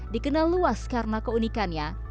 dikenal luas karena keunikannya